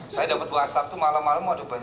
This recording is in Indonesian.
saya dapet whatsapp tuh malem malem